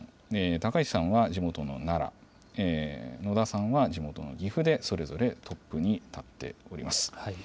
高市さんは地元の奈良、野田さんは地元の岐阜で、それぞれトップに立っております。